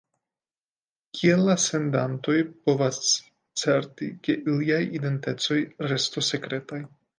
Kiel la sendantoj povas certi, ke iliaj identecoj restos sekretaj?